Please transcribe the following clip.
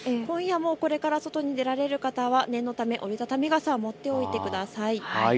今夜もこれから外に出られる方は念のため折り畳み傘、持っておいてください。